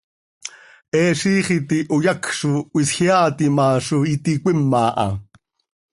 He ziix iti hoyacj zo cöhisjeaatim ha z iti cöima ha.